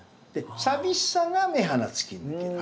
「淋しさが目鼻つきぬけ」